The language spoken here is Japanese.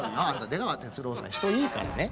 出川哲朗さん人いいからね。